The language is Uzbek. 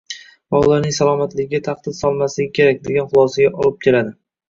va ularning salomatligiga tahdid solmasligi kerak, degan xulosaga olib keladi.